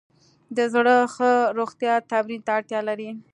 د زړه ښه روغتیا تمرین ته اړتیا لري.